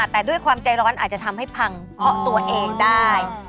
แต่ด้วยความใจร้อนอาจจะทำให้พังเพราะตัวเองได้